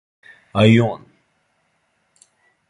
А и он.